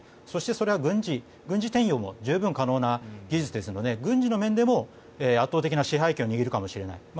そして、それは軍事転用も十分可能な技術ですので軍事の面でも圧倒的な支配権を握るかもしれない。